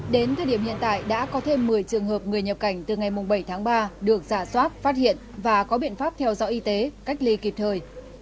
đến thời điểm hiện tại đã có thêm một mươi trường hợp người nhập cảnh từ ngày bảy tháng ba được giả soát phát hiện và có biện pháp theo dõi y tế cách ly kịp thời